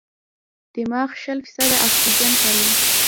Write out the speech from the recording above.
دماغ شل فیصده اکسیجن کاروي.